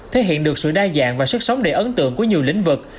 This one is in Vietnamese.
thể hiện được sự đa dạng và sức sống để ấn tượng của nhiều lĩnh vực